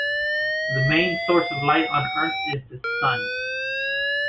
The main source of light on Earth is the Sun.